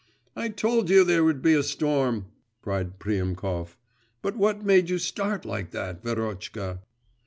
'I told you there would be a storm!' cried Priemkov. 'But what made you start like that, Verotchka?